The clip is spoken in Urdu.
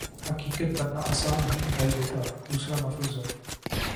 حقیقت بننا آسان نہیں دکھائی دیتا دوسرا مفروضہ